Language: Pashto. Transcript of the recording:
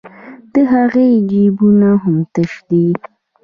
د هغې جېبونه هم تش دي